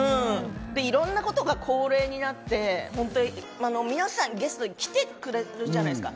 いろんなことが恒例になって皆さん、ゲストに来てくれるじゃないですか。